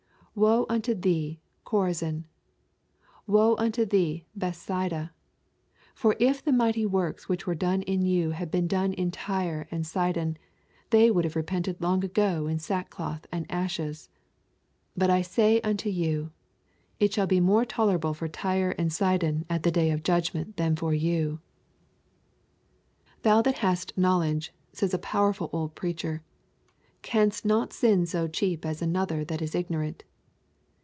'Woe unto thee, Chorazin! Woe unto thee, Bethsaida! For if the mighty works which were done in you had been done in Tyre and Sidon, they would have repented long ago in sackcloth and ashes. But I say unto you, it shall be more tolerable for Tyre and Sidon at the day of judgment than for you.' 'Thou that hast knowledge,' says a powerful old preacher, 'canst not sin so cheap as another that is ignorant.